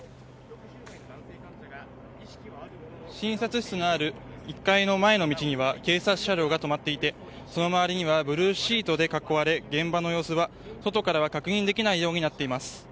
診察室のある１階の前の道には警察車両が止まっていてその周りにはブルーシートで囲われ現場の様子は外からは確認できないようになっています。